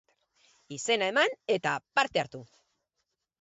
Izena eman eta parte hartu!